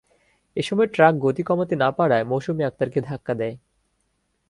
এ সময় ট্রাক গতি কমাতে না পারায় মৌসুমী আক্তারকে ধাক্কা দেয়।